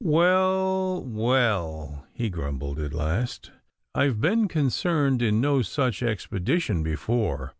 'Well, well,' he grumbled at last, 'I've been concerned in no such expedition before.